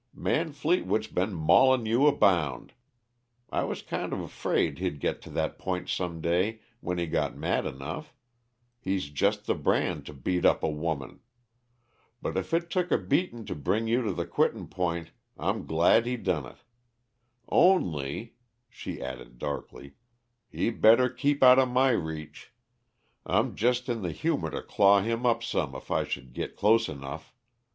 Man Fleetwood's been maulin' you abound. I was kinda afraid he'd git to that point some day when he got mad enough; he's just the brand to beat up a woman. But if it took a beatin' to bring you to the quitting point, I'm glad he done it. Only," she added darkly, "he better keep outa my reach; I'm jest in the humor to claw him up some if I should git close enough.